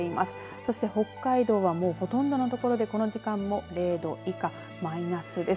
そして北海道は、ほとんどの所でこの時間も０度以下マイナスです。